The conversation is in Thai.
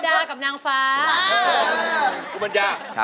เทพดากับนางฟ้า